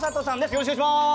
よろしくお願いします。